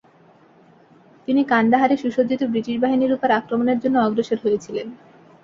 তিনি কান্দাহারে সুসজ্জিত ব্রিটিশ বাহিনীর উপর আক্রমণের জন্য অগ্রসর হয়েছিলেন।